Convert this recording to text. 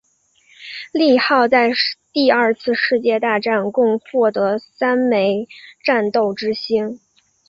利号在第二次世界大战共获得三枚战斗之星。